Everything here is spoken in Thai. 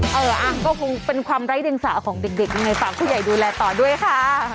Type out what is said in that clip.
เอออ่ะก็คงเป็นความไร้เดียงสาของเด็กยังไงฝากผู้ใหญ่ดูแลต่อด้วยค่ะ